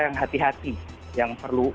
yang hati hati yang perlu